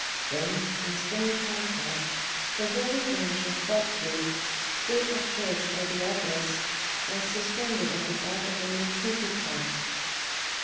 Then, in strange contrast, a holy branch of boxwood, bought at church by the ogress, was suspended at the back of an old cuckoo clock.